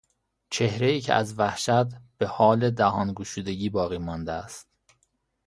چهرهای که از وحشت بهحال دهان گشودگی باقیمانده است